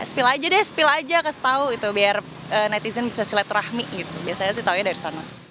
spil aja deh spil aja kasih tau itu biar netizen bisa sileturahmi gitu biasanya sih taunya dari sana